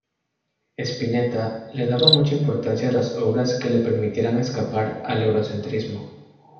Spinetta le daba mucha importancia a las obras que le permitieran escapar al eurocentrismo.